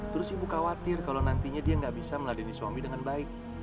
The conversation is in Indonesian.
terus ibu khawatir kalau nantinya dia nggak bisa meladeni suami dengan baik